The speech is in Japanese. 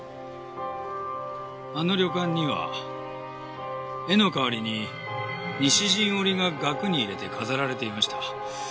あの旅館には絵の代わりに西陣織が額に入れて飾られていました。